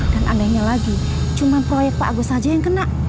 dan anehnya lagi cuma proyek pak agus aja yang kena